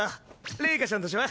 レイカちゃんたちは？